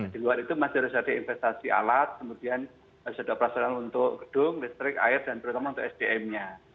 di luar itu masih harus ada investasi alat kemudian sudah operasional untuk gedung listrik air dan terutama untuk sdm nya